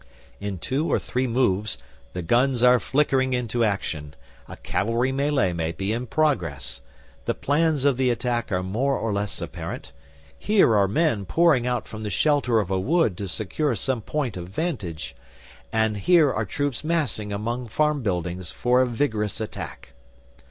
In two or three moves the guns are flickering into action, a cavalry melee may be in progress, the plans of the attack are more or less apparent, here are men pouring out from the shelter of a wood to secure some point of vantage, and here are troops massing among farm buildings for a vigorous attack.